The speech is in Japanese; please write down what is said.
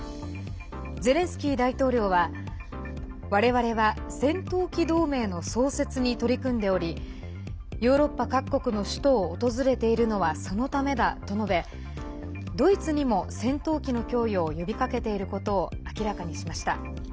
ゼレンスキー大統領は我々は戦闘機同盟の創設に取り組んでおりヨーロッパ各国の首都を訪れているのはそのためだと述べドイツにも戦闘機の供与を呼びかけていることを明らかにしました。